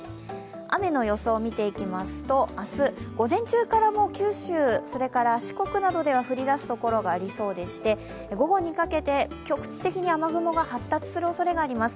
雨の予想を見ていきますと、明日午前中から九州、それから四国などでは降り出すところがありそうでして、午後にかけて局地的に雨雲が発達するおそれがあります。